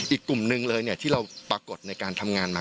อีกกลุ่มหนึ่งเลยที่เราปรากฏในการทำงานมา